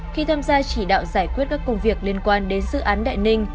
khi tham gia chỉ đạo giải quyết các công việc liên quan đến dự án đại ninh